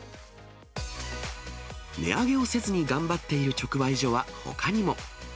値上げをせずに頑張っている直売所はほかにも。